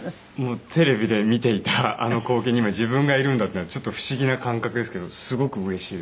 テレビで見ていたあの光景に今自分がいるんだっていうのはちょっと不思議な感覚ですけどすごくうれしいです。